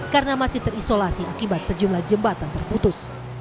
karena masih terisolasi akibat sejumlah jembatan terputus